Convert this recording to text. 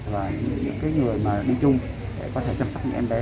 và những người bên chung để có thể chăm sóc những em bé